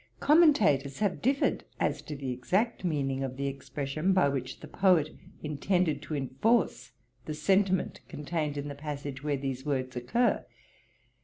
Commentators have differed as to the exact meaning of the expression by which the Poet intended to enforce the sentiment contained in the passage where these words occur.